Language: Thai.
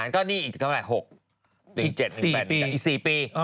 ก็นี่อีกเท่าไหร่๖๑๗๑๘แต่อีก๔ปี